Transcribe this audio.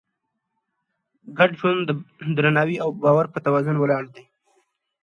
ګډ ژوند د درناوي او باور په توازن ولاړ دی.